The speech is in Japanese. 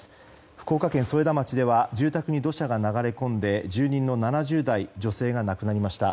福岡県添田町では住宅に土砂が流れ込み住人の７０代女性が亡くなりました。